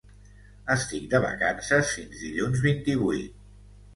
Estic de vacances fins dilluns vint-i-vuit